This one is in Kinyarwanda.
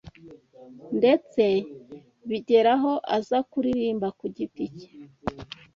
ndetse bigeraho aza kuririmba ku giti cye